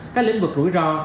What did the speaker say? các lĩnh vực rủi ro